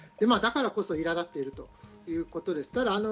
だからこそ、いら立っているということです。